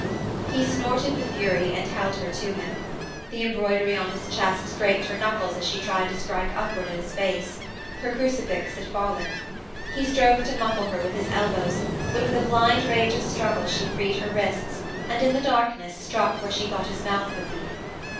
He snorted with fury and held her to him. The embroidery on his chest scraped her knuckles as she tried to strike upwards at his face. Her crucifix had fallen. He strove to muffle her with his elbows, but with a blind rage of struggle she freed her wrists and, in the darkness, struck where she thought his mouth would be.